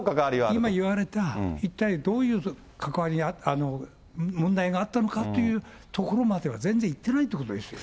今言われた一体どういう関わりが問題があったのかというところまでは全然いってないということですよ。